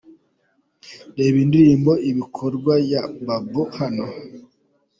Reba indirimbo Ibikorwa ya Babou hano:.